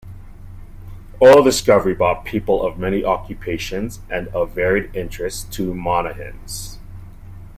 Oil discovery brought people of many occupations and of varied interests to Monahans.